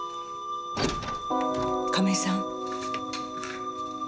亀井さん。